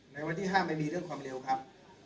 ในวันที่๕ไม่มีเรื่องความเร็วครับ